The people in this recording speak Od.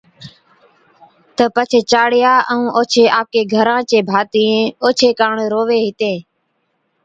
تہ پڇي چاڙِيا اور اوڇي آپڪي گھران چي ڀاتِيئين اوڇي ڪاڻ رووي ھِتين